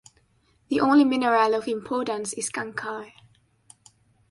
The only mineral of importance is kankar.